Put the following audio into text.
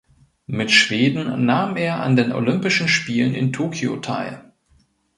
Mit Schweden nahm er an den Olympischen Spielen in Tokio teil.